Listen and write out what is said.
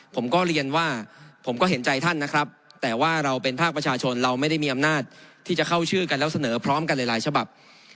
ผมก็เรียนว่าผมก็เห็นใจท่านนะครับแต่ว่าเราเป็นภาคประชาชนเราไม่ได้มีอำนาจที่จะเข้าชื่อกันแล้วเสนอพร้อมกันหลายฉบับ